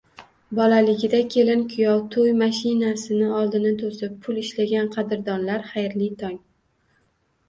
Bolaligida kelin-kuyov to'y mashinasini oldini to'sib pul ishlagan qadrdonlar, xayrli tong!